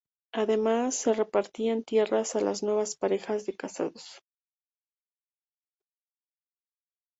Además se repartían tierras a las nuevas parejas de casados.